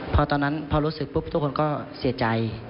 พอตอนนั้นพอรู้สึกปุ๊บทุกคนก็เสียใจ